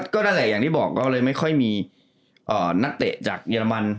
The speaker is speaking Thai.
ก็นั่นแหละอย่างที่บอกก็เลยไม่ค่อยมีนักเตะจากเยอรมัน